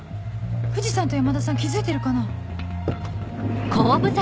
藤さんと山田さん気付いてるかな